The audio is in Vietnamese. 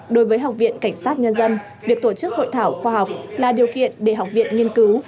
đối với học viện cảnh sát nhân dân việc tổ chức hội thảo khoa học là điều kiện để học viện nghiên cứu